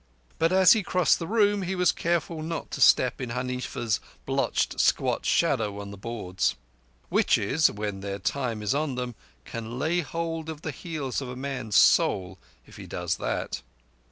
But as he crossed the room he was careful not to step in Huneefa's blotched, squat shadow on the boards. Witches—when their time is on them—can lay hold of the heels of a man's soul if he does that.